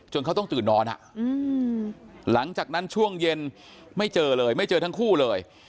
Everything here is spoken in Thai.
จากนั้นช่วงเย็นไม่เจอเลยไม่เจอทั้งคู่เลย